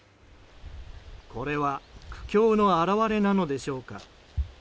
これは苦境の表れなのでしょうか。